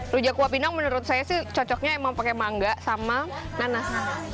rujak kuah pinang menurut saya sih cocoknya emang pakai mangga sama nanas